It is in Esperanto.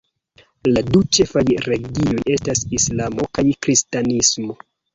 La du ĉefaj religioj estas Islamo kaj Kristanismo.